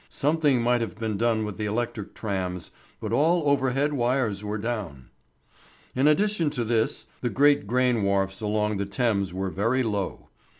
Something might have been done with the electric trams, but all overhead wires were down. In addition to this, the great grain wharfs along the Thames were very low.